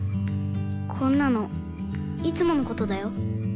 こんなのいつものことだよ。